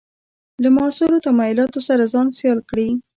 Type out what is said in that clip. له معاصرو تمایلاتو سره ځان سیال کړي.